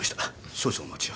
少々お待ちを。